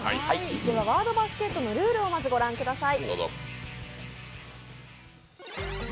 「ワードバスケット」のルールをまずご覧ください。